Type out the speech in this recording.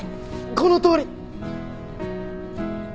このとおり！